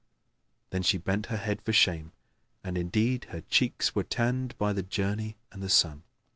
Then she bent her head for shame, and indeed her cheeks were tanned by the journey and the sun.